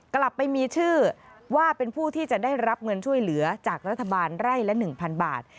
กลับไปมีชื่อว่าเป็นผู้ที่จะได้รับเงินช่วยเหลือจากรัฐบาลไร่ละ๑๐๐บาท